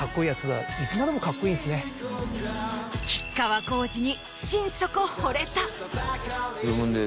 吉川晃司に。